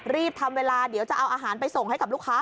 ทำเวลาเดี๋ยวจะเอาอาหารไปส่งให้กับลูกค้า